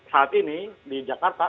saat ini di jakarta